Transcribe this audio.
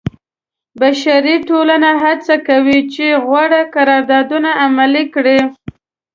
بشري ټولنې هڅه کوي چې غوره قراردادونه عملي کړي.